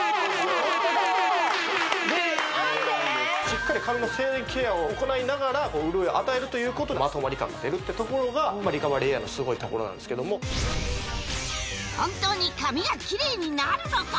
しっかり髪の静電気ケアを行いながら潤いを与えるということでまとまり感が出るってところがリカバリーエアーのすごいところなんですけども本当に髪がキレイになるのか？